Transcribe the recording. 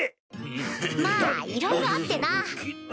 まぁいろいろあってな。